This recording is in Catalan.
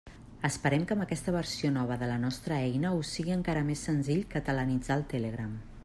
Esperem que amb aquesta versió nova de la nostra eina us sigui encara més senzill catalanitzar el Telegram.